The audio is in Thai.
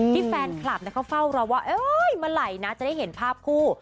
ที่แฟนคลับเขาเฝ้ารอว่าเมื่อไหร่นะจะได้เห็นภาพคู่